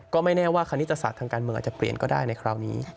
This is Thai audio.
ก็ไม่แน่ว่าคณิตศาสตร์ทางการเมืองอาจจะเปลี่ยนก็ได้ในคราวนี้